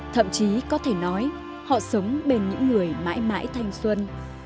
thậm chí có thể nói họ sống bên những người mãi mãi thanh xuân